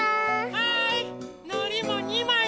はい。